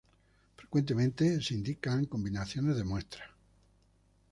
Frecuentemente se indican combinaciones de muestras.